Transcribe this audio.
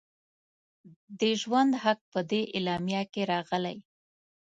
د ژوند حق په دې اعلامیه کې راغلی.